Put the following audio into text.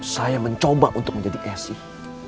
saya mencoba untuk menjadi esi